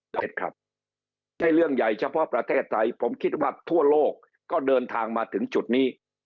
เด็ดครับใช่เรื่องใหญ่เฉพาะประเทศไทยผมคิดว่าทั่วโลกก็เดินทางมาถึงจุดนี้